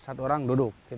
satu orang duduk